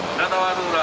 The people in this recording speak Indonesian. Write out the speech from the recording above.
nggak tahu aturan